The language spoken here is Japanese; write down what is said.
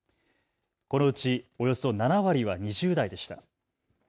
このうち、およそ７割は２０代でした。